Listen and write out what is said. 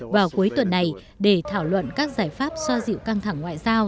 vào cuối tuần này để thảo luận các giải pháp xoa dịu căng thẳng ngoại giao